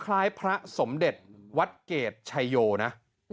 คล้ายพระสมเด็จวัดเกรดชัยโยนะ